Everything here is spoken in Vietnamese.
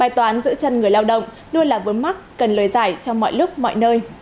bài toán giữ chân người lao động luôn là vốn mắc cần lời giải trong mọi lúc mọi nơi